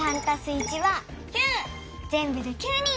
ぜんぶで９人！